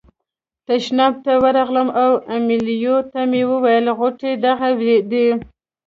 تشناب ته ورغلم او امیلیو ته مې وویل غوټې دغه دي.